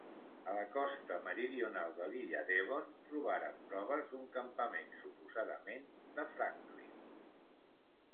A la costa meridional de l'illa Devon trobaren proves d'un campament suposadament de Franklin.